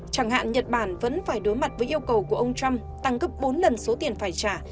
chẳng hạn nhật bản vẫn phải đối mặt với yêu cầu của ông trump tăng gấp bốn lần số tiền phải trả